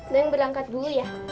dan berlangkat dulu ya